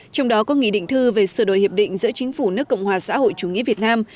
trong đó có nghị định thư về sửa đổi hiệp định giữa chính phủ nước cộng hòa xã hội chủ nghĩa việt nam